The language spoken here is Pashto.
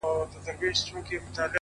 • فکر مي وران دی حافظه مي ورانه ـ